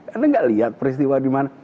anda nggak lihat peristiwa di mana